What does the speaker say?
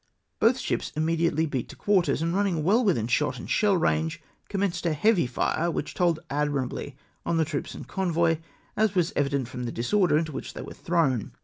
Both ships immediately beat to quarters, and running well within shot and shell range, commenced a heavy fire, which told admirably on the troops and convoy, as was e^ddent from the disorder into which they were thrown.